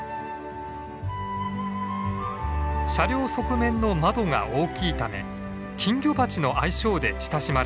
車両側面の窓が大きいため「金魚鉢」の愛称で親しまれました。